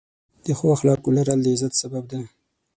د ښو اخلاقو لرل، د عزت سبب دی.